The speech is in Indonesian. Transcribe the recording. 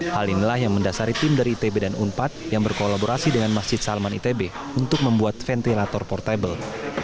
hal inilah yang mendasari tim dari itb dan unpad yang berkolaborasi dengan masjid salman itb untuk membuat ventilator portable